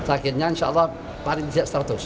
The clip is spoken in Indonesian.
akhirnya insya allah paling tidak seratus